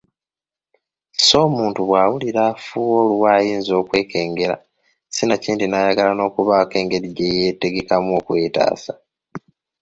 Sso omuntu bw’awulira afuuwa oluwa ayinza okwekengera sinakindi n’ayagala n’okubaako engeri y’okwetegekamu okwetaasa.